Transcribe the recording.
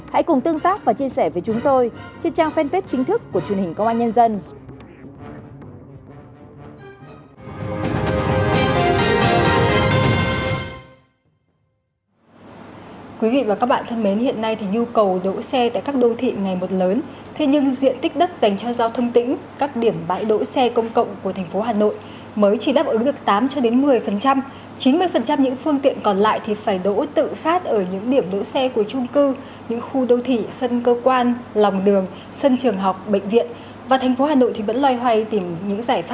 hãy cùng tương tác và chia sẻ với chúng tôi trên trang fanpage chính thức của truyền hình công an nhân dân